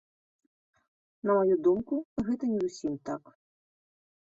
На маю думку, гэта не зусім так.